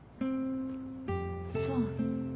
そう。